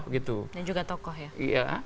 dan juga tokoh ya